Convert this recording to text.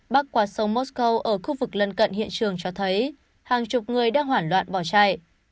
bắc qua sông moscow ở khu vực lân cận hiện trường cho thấy hàng chục người đang hoảng loạn bỏ chạy